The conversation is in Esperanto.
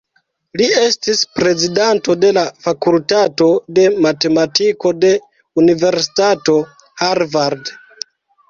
Li estis prezidanto de la fakultato de matematiko de Universitato Harvard.